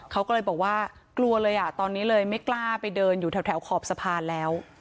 เขาก็เลยบอกว่ากลัวเลยอ่ะตอนนี้เลยไม่กล้าไปเดินอยู่แถวขอบสะพานแล้ว